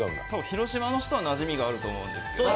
広島の人はなじみがあると思うんですよね。